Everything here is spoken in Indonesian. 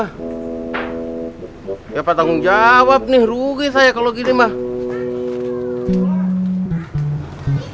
siapa tanggung jawab nih rugi saya kalau gini mah